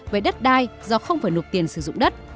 về đất đai do không phải nộp tiền sử dụng đất